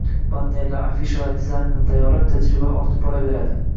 Bannerlar, afishalar dizaynini tayyorlab, tajribalari ortib boraverdi